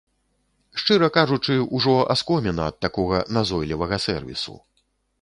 Шчыра кажучы, ужо аскоміна ад такога назойлівага сэрвісу.